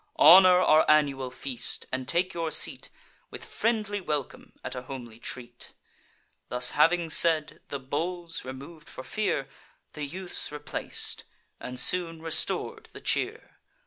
Honour our annual feast; and take your seat, With friendly welcome, at a homely treat." Thus having said, the bowls remov'd (for fear) The youths replac'd, and soon restor'd the cheer.